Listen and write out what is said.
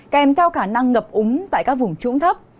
kèm theo khả năng ngập úng tại các vùng trũng thấp